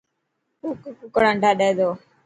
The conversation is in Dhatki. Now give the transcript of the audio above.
ڪوڪڙ انڊا ڏي تو.